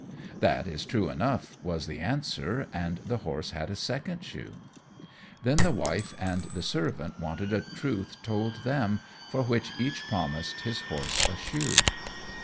"That is true enough," was the answer, and the horse had a second shoe. Then the wife and the servant wanted a truth told them, for which each promised his horse a shoe.